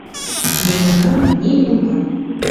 Нигунам, нигунам!